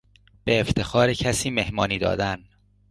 به افتخار کسی مهمانی دادن